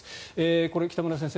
これ、北村先生